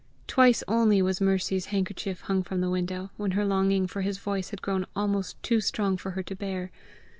Twice only was Mercy's handkerchief hung from the window, when her longing for his voice had grown almost too strong for her to bear.